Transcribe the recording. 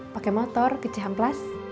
pakai motor ke cihan plus